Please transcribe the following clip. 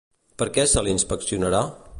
Per què se l'inspeccionarà?